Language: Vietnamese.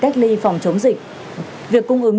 cách ly phòng chống dịch việc cung ứng